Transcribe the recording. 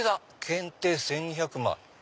限定１２００枚。